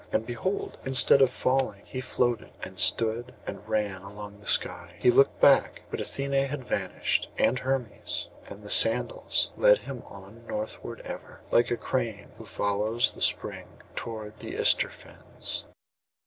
And behold, instead of falling he floated, and stood, and ran along the sky. He looked back, but Athené had vanished, and Hermes; and the sandals led him on northward ever, like a crane who follows the spring toward the Ister fens.